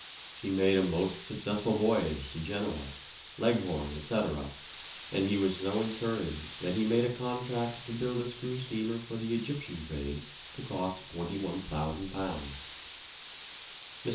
She made a most successful voyage to Genoa, Leghorn, etc., and he was so encouraged that he made a contract to build a screw steamer for the Egyptian trade to cost £21,000. Mr.